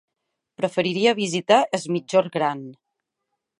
Preferiria visitar Es Migjorn Gran.